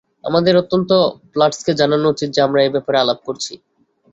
আমাদের অন্তত প্লাটসকে জানানো উচিত যে আমরা এ ব্যাপারে আলাপ করছি।